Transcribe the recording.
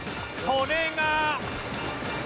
それが